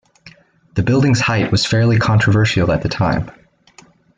The building's height was fairly controversial at the time.